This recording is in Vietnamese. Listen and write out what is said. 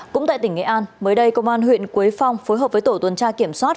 cũng tại tỉnh nghệ an mới đây công an huyện quế phong phối hợp với tổ tuần tra kiểm soát